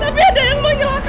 tapi ada yang menyerahkan aku ma